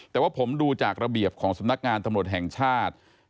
แต่ว่าผมดูจากระเบียบของสำนักงานตำรวจแห่งชาติ